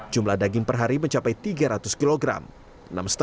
jumlah daging per hari mencapai tiga ratus kilogram